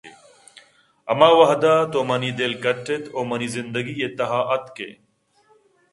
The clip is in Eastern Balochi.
ھما وھد ءَ تو منی دل کٹّ اِت ءُ منی زندگی ءِ تہ ءَ آتک ئے